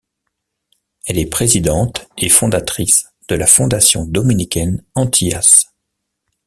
Elle est présidente et fondatrice de la fondation dominicaine Antillas.